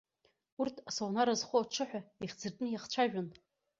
Урҭ асаунара зхоу аҽы ҳәа ихьӡыртәны иахцәажәон.